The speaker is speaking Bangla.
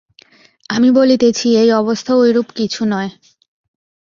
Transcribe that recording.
আমি বলিতেছি, এই অবস্থা ঐরূপ কিছু নয়।